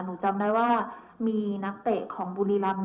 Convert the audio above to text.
จำได้ว่ามีนักเตะของบุรีรำ